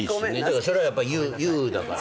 それはやっぱＹＯＵだから。